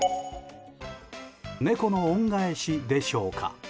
猫の恩返しでしょうか。